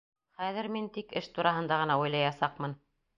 Хәҙер мин тик эш тураһында ғына уйлаясаҡмын.